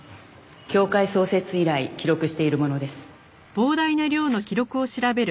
協会創設以来記録しているものです。